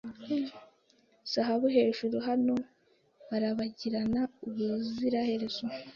Zahabu hejuru Hano barabagirana ubuziraherezo